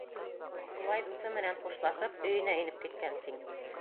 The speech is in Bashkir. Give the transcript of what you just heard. Шулай дуҫы менән хушлашып, өйөнә инеп киткән Сиң.